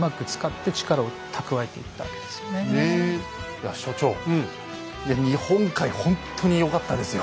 いや所長いや日本海ほんとによかったですよ。